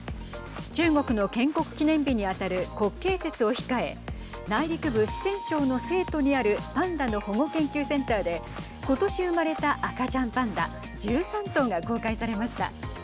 中国の建国記念日に当たる国慶節を控え内陸部、四川省の成都にあるパンダの保護研究センターで今年、生まれた赤ちゃんパンダ１３頭が公開されました。